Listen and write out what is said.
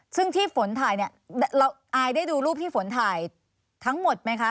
ซึ่งที่ฝนถ่ายเนี่ยเราอายได้ดูรูปที่ฝนถ่ายทั้งหมดไหมคะ